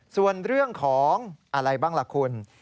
ส่วนเรื่องของอะไรบ้างล่ะคุณ